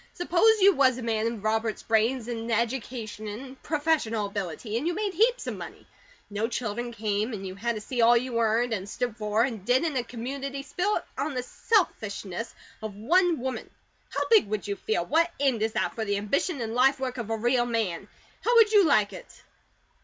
"Suppose you was a man of Robert's brains, and education, and professional ability, and you made heaps of money, and no children came, and you had to see all you earned, and stood for, and did in a community spent on the SELFISHNESS of one woman. How big would you feel? What end is that for the ambition and life work of a real man? How would you like it?"